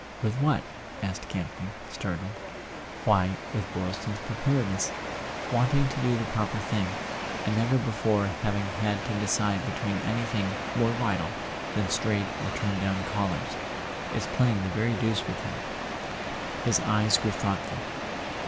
"With what?" asked Campton, startled. "Why, with Boylston's Preparedness. Wanting to do the proper thing—and never before having had to decide between anything more vital than straight or turned down collars. It's playing the very deuce with him." His eyes grew thoughtful.